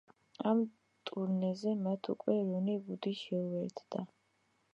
ამ ტურნეზე მათ უკვე რონი ვუდი შეუერთდა.